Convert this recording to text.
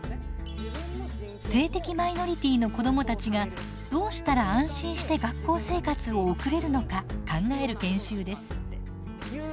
性的マイノリティーの子どもたちがどうしたら安心して学校生活を送れるのか考える研修です。